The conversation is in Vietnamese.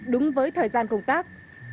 đúng với thời gian công tác